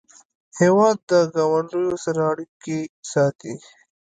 هېواد د ګاونډیو سره اړیکې ساتي.